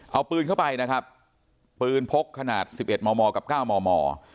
เอาปืนเข้าไปนะครับปืนพกขนาด๑๑มมกับ๙มม